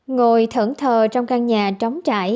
ngồi thẩn thờ trong căn nhà trống trải